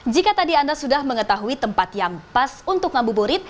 jika tadi anda sudah mengetahui tempat yang pas untuk ngabuburit